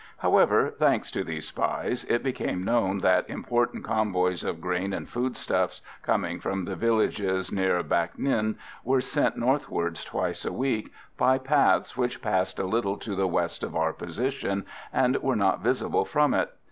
However, thanks to these spies, it became known that important convoys of grain and food stuffs, coming from the villages near Bac Ninh, were sent northwards twice a week, by paths which passed a little to the west of our position, and were not visible from it.